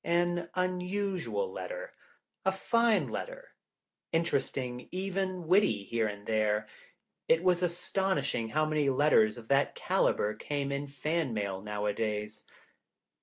An unusual letter. A fine letter. Interesting, even witty here and there. It was astonishing how many letters of that calibre came in fan mail nowadays.